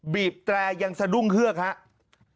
บีบแตรยังสะดุ้งเฮือกครับ